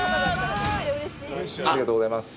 ありがとうございます。